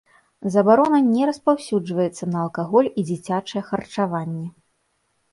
Забарона не распаўсюджваецца на алкаголь і дзіцячае харчаванне.